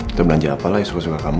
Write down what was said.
atau belanja apa lah yang suka suka kamu